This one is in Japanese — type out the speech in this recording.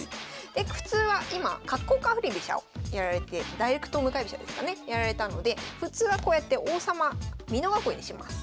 で普通は今角交換振り飛車をやられてダイレクト向かい飛車ですかねやられたので普通はこうやって王様美濃囲いにします。